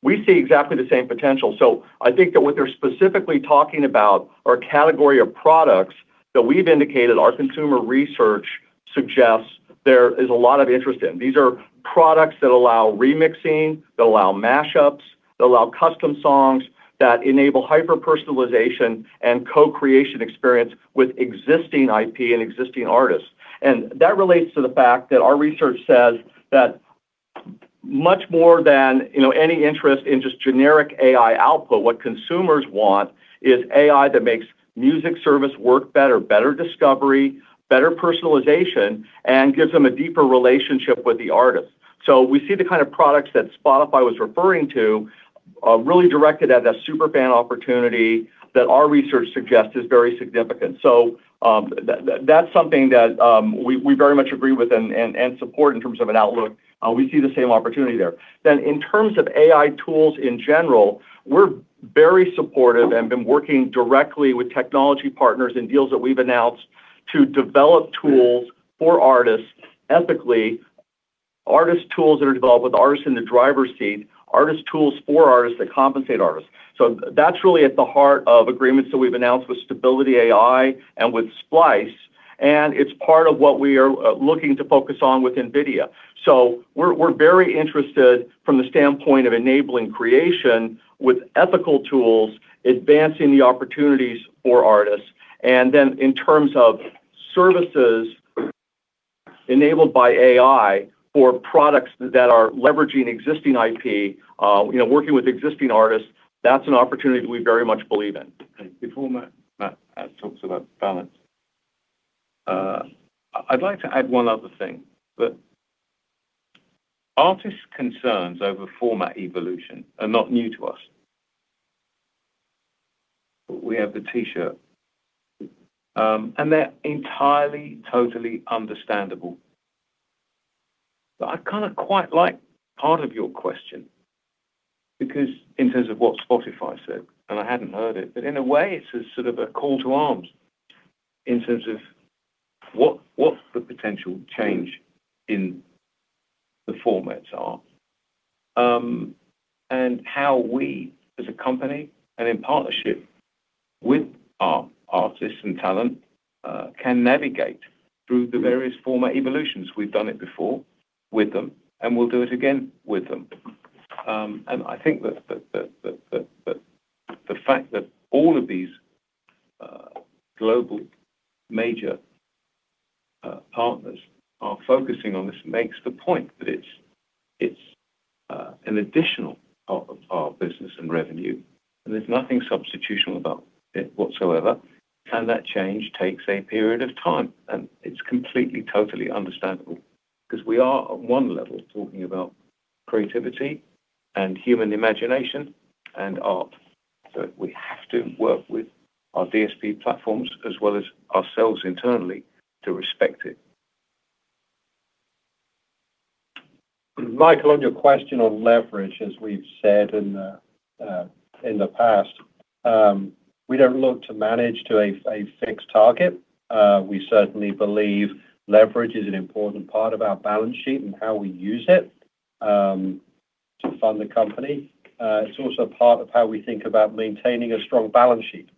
S5: We see exactly the same potential. I think that what they're specifically talking about are category of products that we've indicated our consumer research suggests there is a lot of interest in. These are products that allow remixing, that allow mashups, that allow custom songs, that enable hyper-personalization and co-creation experience with existing IP and existing artists. That relates to the fact that our research says that much more than, you know, any interest in just generic AI output, what consumers want is AI that makes music service work better discovery, better personalization, and gives them a deeper relationship with the artist. We see the kind of products that Spotify was referring to, really directed at that super fan opportunity that our research suggests is very significant. That's something that we very much agree with and support in terms of an outlook. We see the same opportunity there. In terms of AI tools in general, we're very supportive and been working directly with technology partners in deals that we've announced to develop tools for artists ethically. Artist tools that are developed with artists in the driver's seat, artist tools for artists that compensate artists. That's really at the heart of agreements that we've announced with Stability AI and with Splice, and it's part of what we are looking to focus on with NVIDIA. We're very interested from the standpoint of enabling creation with ethical tools, advancing the opportunities for artists. In terms of services enabled by AI for products that are leveraging existing IP, you know, working with existing artists, that's an opportunity that we very much believe in.
S2: Before Matt talks about balance, I'd like to add one other thing, that artists' concerns over format evolution are not new to us. We have the T-shirt. They're entirely, totally understandable. I kind of quite like part of your question because in terms of what Spotify said, and I hadn't heard it, but in a way, it's a sort of a call to arms in terms of what the potential change in the formats are. How we as a company and in partnership with our artists and talent, can navigate through the various format evolutions. We've done it before with them, and we'll do it again with them. I think that the fact that all of these global major partners are focusing on this makes the point that it's an additional part of our business and revenue, there's nothing substitutional about it whatsoever. That change takes a period of time, and it's completely, totally understandable because we are on one level talking about creativity and human imagination and art. We have to work with our DSP platforms as well as ourselves internally to respect it.
S3: Michael, on your question on leverage, as we've said in the past, we don't look to manage to a fixed target. We certainly believe leverage is an important part of our balance sheet and how we use it to fund the company. It's also part of how we think about maintaining a strong balance sheet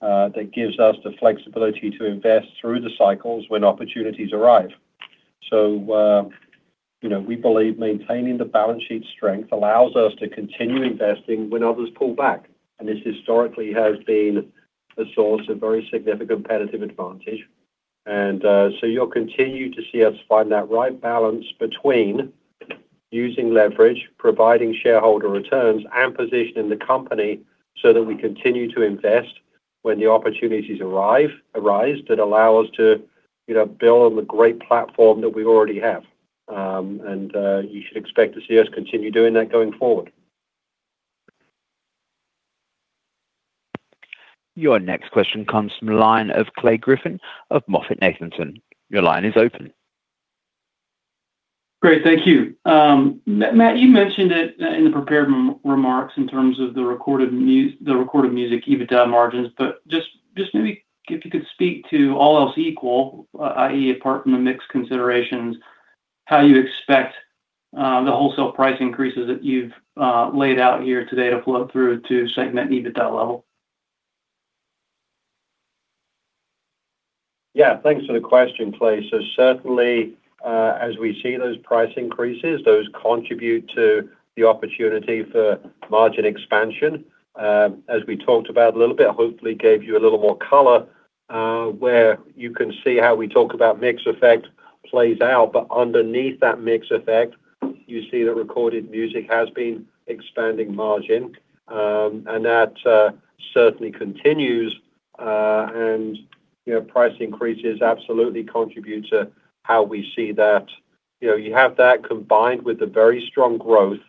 S3: that gives us the flexibility to invest through the cycles when opportunities arrive. You know, we believe maintaining the balance sheet strength allows us to continue investing when others pull back. This historically has been a source of very significant competitive advantage. You'll continue to see us find that right balance between using leverage, providing shareholder returns, and positioning the company so that we continue to invest when the opportunities arise that allow us to, you know, build on the great platform that we already have. You should expect to see us continue doing that going forward.
S1: Your next question comes from the line of Clay Griffin of MoffettNathanson. Your line is open.
S9: Great. Thank you. Matt, you mentioned it in the prepared remarks in terms of the Recorded Music EBITDA margins, but just maybe if you could speak to all else equal, i.e., apart from the mix considerations, how you expect the wholesale price increases that you've laid out here today to flow through to segment EBITDA level.
S3: Thanks for the question, Clay. Certainly, as we see those price increases, those contribute to the opportunity for margin expansion. As we talked about a little bit, hopefully gave you a little more color, where you can see how we talk about mix effect plays out. Underneath that mix effect, you see that recorded music has been expanding margin. That certainly continues. You know, price increases absolutely contribute to how we see that. You know, you have that combined with the very strong growth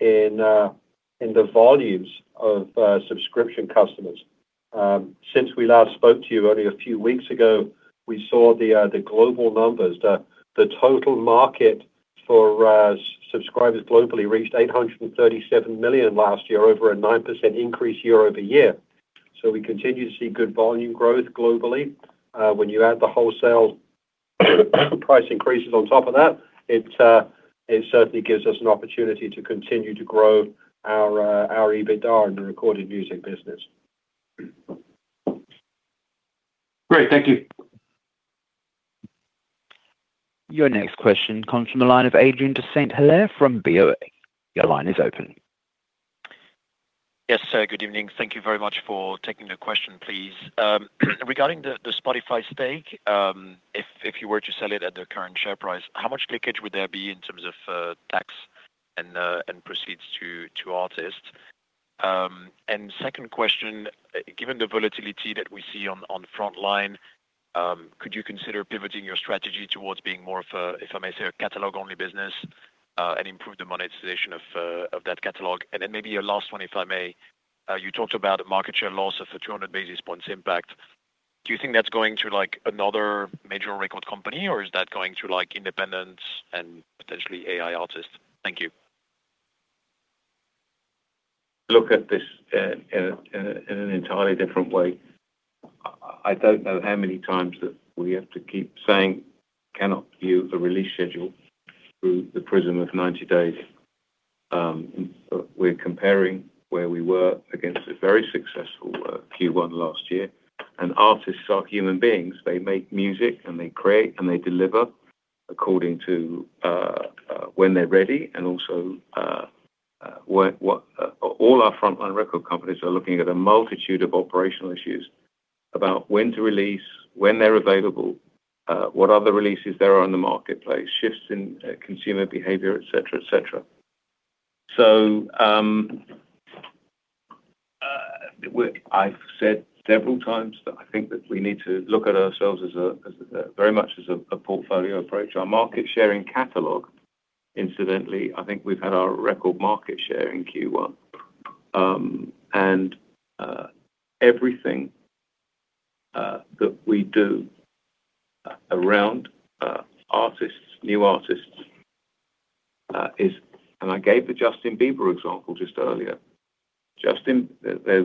S3: in the volumes of subscription customers. Since we last spoke to you only a few weeks ago, we saw the global numbers. The total market for subscribers globally reached 837 million last year, over a 9% increase year-over-year. We continue to see good volume growth globally. When you add the wholesale price increases on top of that, it certainly gives us an opportunity to continue to grow our EBITDA in the recorded music business.
S9: Great. Thank you.
S1: Your next question comes from the line of Adrien de Saint Hilaire from BOA. Your line is open.
S10: Yes, sir. Good evening. Thank you very much for taking the question, please. Regarding the Spotify stake, if you were to sell it at their current share price, how much leakage would there be in terms of tax and proceeds to artists. Second question, given the volatility that we see on frontline, could you consider pivoting your strategy towards being more of a, if I may say, a catalog-only business, and improve the monetization of that catalog? Maybe a last one, if I may. You talked about market share loss of 200 basis points impact. Do you think that's going to, like, another major record company or is that going to, like, independents and potentially AI artists? Thank you.
S2: Look at this, in an entirely different way. I don't know how many times that we have to keep saying cannot view a release schedule through the prism of 90 days. We're comparing where we were against a very successful Q1 last year, and artists are human beings. They make music, and they create, and they deliver according to when they're ready and also what. All our frontline record companies are looking at a multitude of operational issues about when to release, when they're available, what other releases there are in the marketplace, shifts in consumer behavior, et cetera, et cetera. I've said several times that I think that we need to look at ourselves as a, very much as a portfolio approach. Our market share in catalog, incidentally, I think we've had our record market share in Q1. Everything that we do around artists, new artists, I gave the Justin Bieber example just earlier. Justin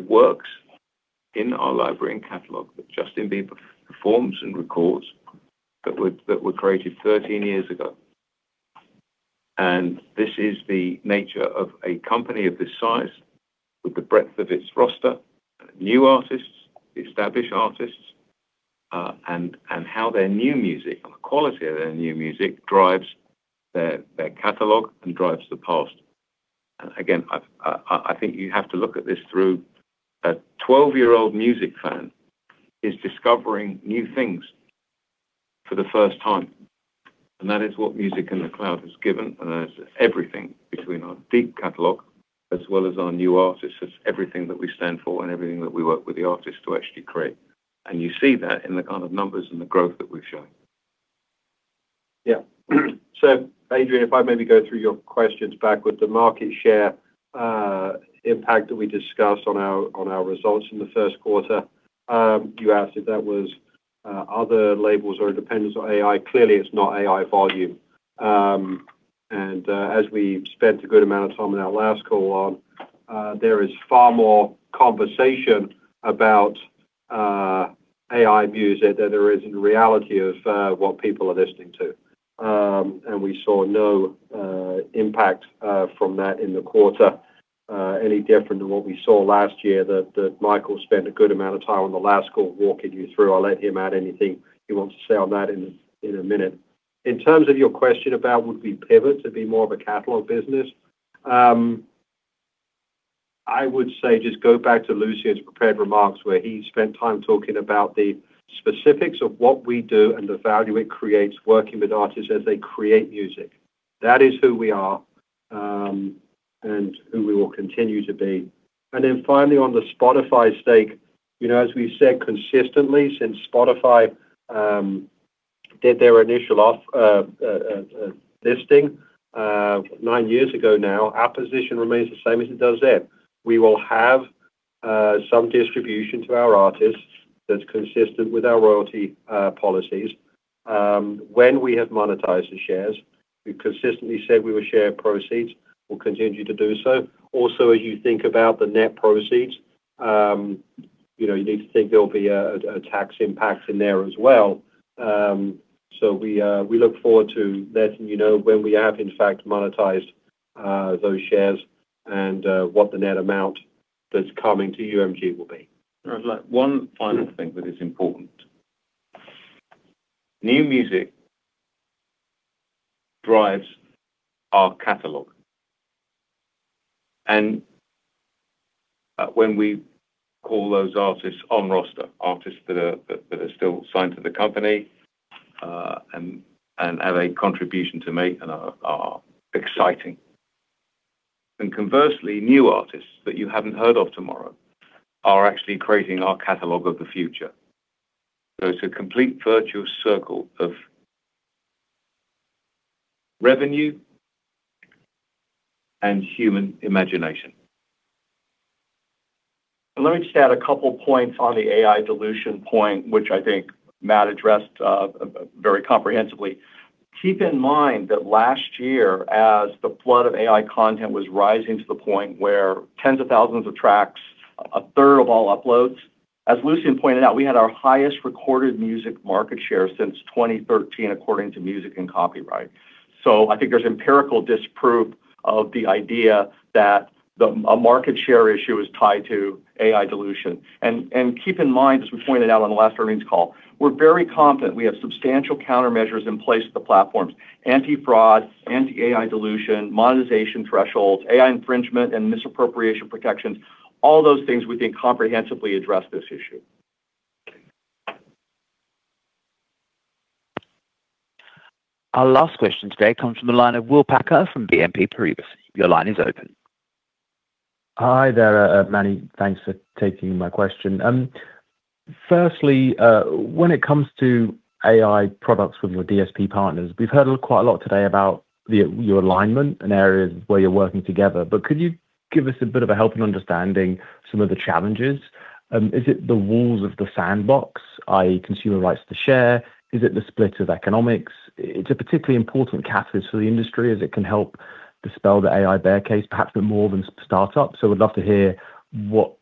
S2: works in our library and catalog that Justin Bieber performs and records that were created 13 years ago. This is the nature of a company of this size with the breadth of its roster, new artists, established artists, and how their new music and the quality of their new music drives their catalog and drives the past. Again, I've, I think you have to look at this through a 12-year-old music fan is discovering new things for the first time, and that is what music in the cloud has given. That's everything between our deep catalog as well as our new artists. That's everything that we stand for and everything that we work with the artists to actually create. You see that in the kind of numbers and the growth that we've shown.
S3: Yeah. Adrien, if I maybe go through your questions backward, the market share impact that we discussed on our results in the first quarter, you asked if that was other labels or independents or AI. Clearly, it's not AI volume. As we spent a good amount of time in our last call on, there is far more conversation about AI music than there is in reality of what people are listening to. We saw no impact from that in the quarter, any different than what we saw last year that Michael spent a good amount of time on the last call walking you through. I'll let him add anything he wants to say on that in a minute. In terms of your question about would we pivot to be more of a catalog business, I would say just go back to Lucian's prepared remarks, where he spent time talking about the specifics of what we do and the value it creates working with artists as they create music. That is who we are, who we will continue to be. Finally, on the Spotify stake, you know, as we've said consistently since Spotify did their initial listing nine years ago now, our position remains the same as it does then. We will have some distribution to our artists that's consistent with our royalty policies. When we have monetized the shares, we've consistently said we will share proceeds. We'll continue to do so. As you think about the net proceeds, you know, you need to think there'll be a tax impact in there as well. So we look forward to letting you know when we have, in fact, monetized those shares and what the net amount that's coming to UMG will be.
S2: I'd like one final thing that is important. New music drives our catalog. When we call those artists on roster, artists that are still signed to the company and have a contribution to make and are exciting. Conversely, new artists that you haven't heard of tomorrow are actually creating our catalog of the future. It's a complete virtuous circle of revenue and human imagination.
S5: Let me just add a couple points on the AI dilution point, which I think Matt addressed very comprehensively. Keep in mind that last year, as the flood of AI content was rising to the point where tens of thousands of tracks, a third of all uploads, as Lucian pointed out, we had our highest recorded music market share since 2013 according to Music and Copyright. I think there's empirical disproof of the idea that a market share issue is tied to AI dilution. Keep in mind, as we pointed out on the last earnings call, we're very confident we have substantial countermeasures in place at the platforms, anti-fraud, anti-AI dilution, monetization thresholds, AI infringement, and misappropriation protections. All those things we think comprehensively address this issue.
S1: Our last question today comes from the line of Will Packer from BNP Paribas. Your line is open.
S11: Hi there, Many thanks for taking my question. Firstly, when it comes to AI products with your DSP partners, we've heard quite a lot today about your alignment and areas where you're working together, could you give us a bit of a help in understanding some of the challenges? Is it the walls of the sandbox, i.e., consumer rights to share? Is it the split of economics? It's a particularly important catalyst for the industry as it can help dispel the AI bear case, perhaps a bit more than startups. We'd love to hear what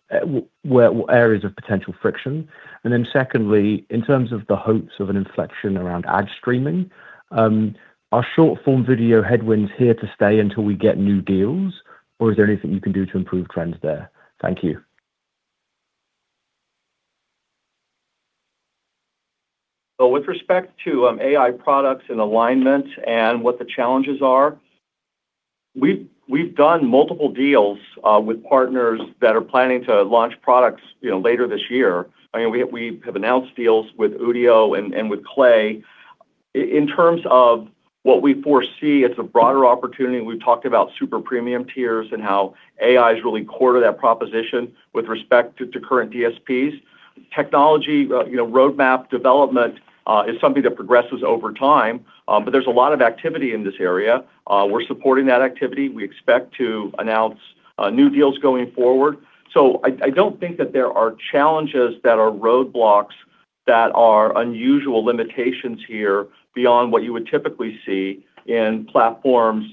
S11: areas of potential friction. Secondly, in terms of the hopes of an inflection around ad streaming, are short-form video headwinds here to stay until we get new deals, or is there anything you can do to improve trends there? Thank you.
S5: With respect to AI products and alignment and what the challenges are, we've done multiple deals with partners that are planning to launch products, you know, later this year. I mean, we have announced deals with Udio and with KLAY. In terms of what we foresee as a broader opportunity, and we've talked about super premium tiers and how AI is really core to that proposition with respect to current DSPs. Technology, you know, roadmap development is something that progresses over time, but there's a lot of activity in this area. We're supporting that activity. We expect to announce new deals going forward. I don't think that there are challenges that are roadblocks that are unusual limitations here beyond what you would typically see in platforms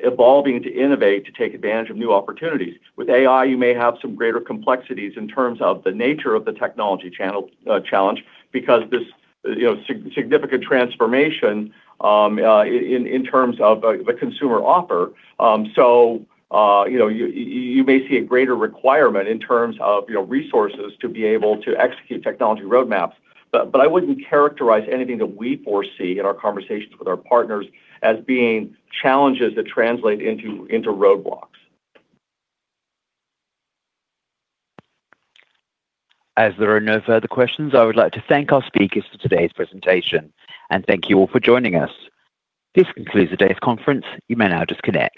S5: evolving to innovate to take advantage of new opportunities. With AI, you may have some greater complexities in terms of the nature of the technology channel, challenge because there's, you know, significant transformation, in terms of the consumer offer. You know, you may see a greater requirement in terms of, you know, resources to be able to execute technology roadmaps. I wouldn't characterize anything that we foresee in our conversations with our partners as being challenges that translate into roadblocks.
S1: As there are no further questions, I would like to thank our speakers for today's presentation and thank you all for joining us. This concludes today's conference. You may now disconnect.